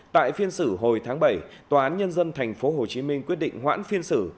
tại phiên xử hồi tháng bảy tòa án nhân dân tp hcm quyết định hoãn phiên xử